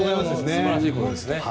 素晴らしいことですね。